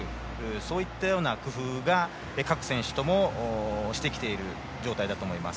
そういったような工夫が各選手ともしてきている状態だと思います。